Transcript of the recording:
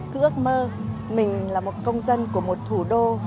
cứ ước mơ mình là một công dân của một thủ đô